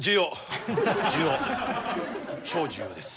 超重要です。